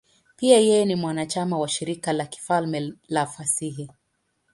Pia yeye ni mwanachama wa Shirika la Kifalme la Fasihi.